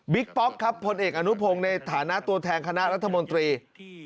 ป๊อกครับพลเอกอนุพงศ์ในฐานะตัวแทนคณะรัฐมนตรี